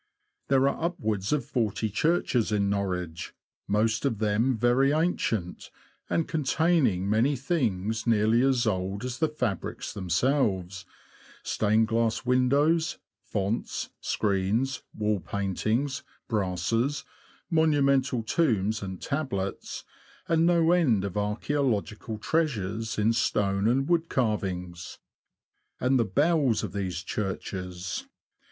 There are upwards of forty churches in Norwich, most of them very ancient, and containing many things nearly as old as the fabrics themselves — stained glass windows, fonts, screens, wall paintings, brasses, monumental tombs and tablets, and no end of archaeo logical treasures in stone and wood carvings. And the bells of these churches